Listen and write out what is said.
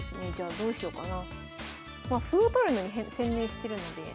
どうしようかな。